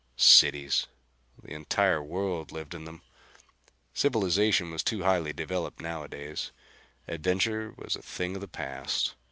Cities! The entire world lived in them! Civilization was too highly developed nowadays. Adventure was a thing of the past.